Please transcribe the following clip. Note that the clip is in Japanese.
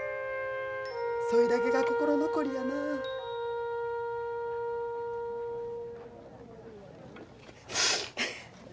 そいだけが心残りやなあ。